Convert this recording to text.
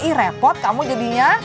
ih repot kamu jadinya